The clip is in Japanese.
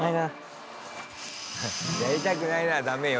「やりたくないな」はダメよ